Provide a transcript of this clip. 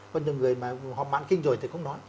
có nhiều người mà họ mạng kinh rồi thì không nói